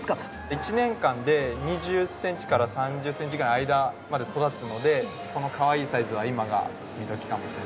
１年間で２０センチから３０センチぐらいの間まで育つのでこのかわいいサイズは今が見どきかもしれないですね。